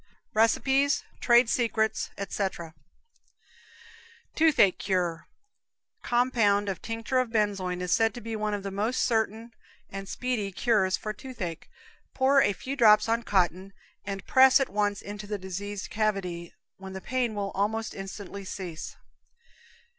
RECIPES, TRADE SECRETS ETC. Toothache Cure. Compound tinct. benzoin is said to be one of the most certain and speedy cures for toothache; pour a few drops on cotton, and press at once into the diseased cavity, when the pain will almost instantly cease.